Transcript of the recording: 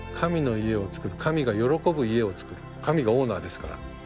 神がオーナーですから。